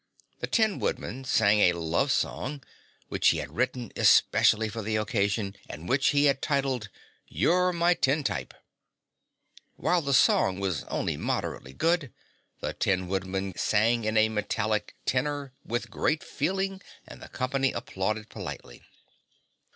The Tin Woodman sang a love song, which he had written especially for the occasion, and which he had titled "You're My Tin Type." While the song was only moderately good, the Tin Woodman sang in a metallic tenor with great feeling and the company applauded politely.